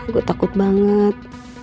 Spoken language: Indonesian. gue takut banget